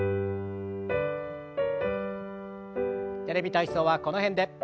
「テレビ体操」はこの辺で。